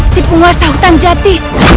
si penguasa hutan jati